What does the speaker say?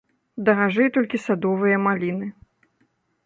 Даражэй толькі садовыя маліны.